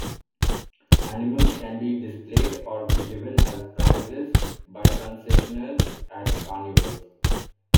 Animals can be displayed or be given as prizes by concessionaires at carnivals.